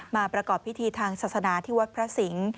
มาประกอบพิธีทางศาสนาที่วัดพระสิงศ์